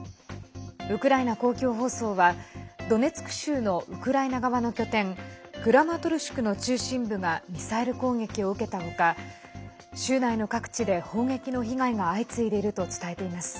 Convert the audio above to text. ウクライナ公共放送はドネツク州のウクライナ側の拠点クラマトルシクの中心部がミサイル攻撃を受けたほか州内の各地で砲撃の被害が相次いでいると伝えています。